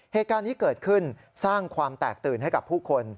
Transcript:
เหตุการณ์นี้เกิดขึ้นสร้างความแตกตื่นให้กับผู้คน